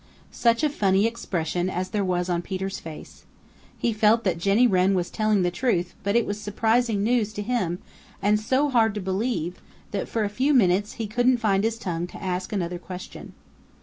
Such a funny expression as there was on Peter's face. He felt that Jenny Wren was telling the truth, but it was surprising news to him and so hard to believe that for a few minutes he couldn't find his tongue to ask another question.